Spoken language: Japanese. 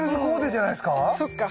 そっか。